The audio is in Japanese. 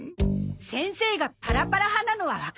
先生がパラパラ派なのはわかりました。